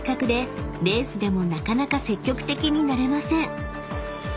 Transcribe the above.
［レースでもなかなか積極的になれません］